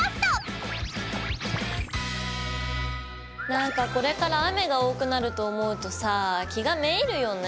何かこれから雨が多くなると思うとさ気がめいるよね。